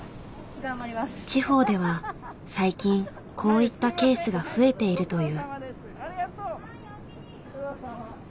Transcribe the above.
地方では最近こういったケースが増えているという。